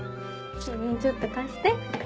ちょっと貸して。